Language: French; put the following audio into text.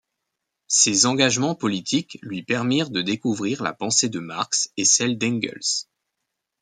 Ses engagements politiques lui permirent de découvrir la pensée de Marx et celle d'Engels.